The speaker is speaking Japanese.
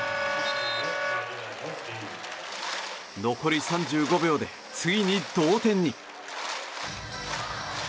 残り３５秒で、ついに同点に。